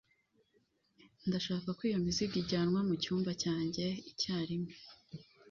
Ndashaka ko iyi mizigo ijyanwa mucyumba cyanjye icyarimwe.